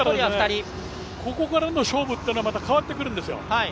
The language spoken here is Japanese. ここからの勝負というのは、また変わってくるんですよ。